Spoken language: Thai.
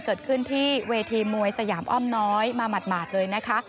เกิดขึ้นที่เวทีมวยสยามอ้อมน้อยมาหมาดเลยนะคะ